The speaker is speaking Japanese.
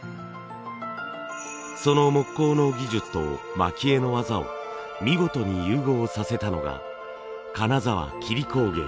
その木工の技術と蒔絵の技を見事に融合させたのが金沢桐工芸。